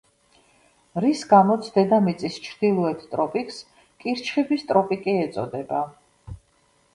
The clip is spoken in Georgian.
რის გამოც დედამიწის ჩრდილოეთ ტროპიკს კირჩხიბის ტროპიკი ეწოდება.